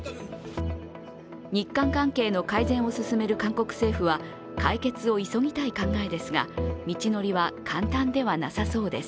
日韓関係の改善を進める韓国政府は解決を急ぎたい考えですが、道のりは簡単ではなさそうです。